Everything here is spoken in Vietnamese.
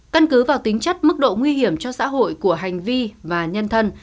căn cứ vào tính chất mức độ nguy hiểm cho xã hội của hành vi và nhân thân